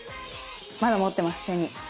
まだ持ってます手に。